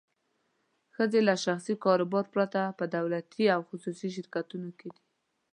ښځې له شخصي کاروبار پرته په دولتي او خصوصي شرکتونو کې دي.